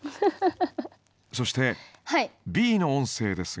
そしてＢの音声ですが。